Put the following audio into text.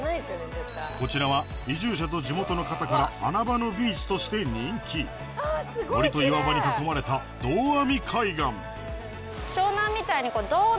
こちらは移住者と地元の方から穴場のビーチとして人気森と岩場に囲まれたおや？